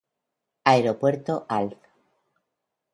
Aeropuerto Alf.